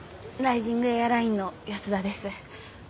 ライジングエアラインの安田です。